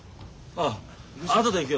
ああ後で行くよ。